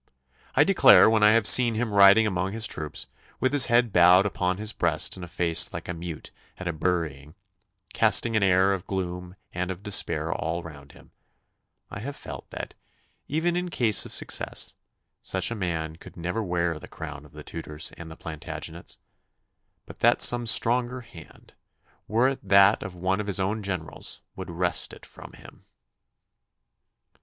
I declare when I have seen him riding among his troops, with his head bowed upon his breast and a face like a mute at a burying, casting an air of gloom and of despair all round him, I have felt that, even in case of success, such a man could never wear the crown of the Tudors and the Plantagenets, but that some stronger hand, were it that of one of his own generals, would wrest it from him.